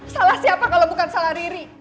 salah siapa kalau bukan salah riri